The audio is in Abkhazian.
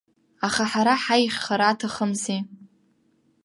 Аха ҳара ҳаиӷьхар аҭахымзи.